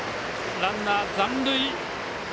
ランナー残塁。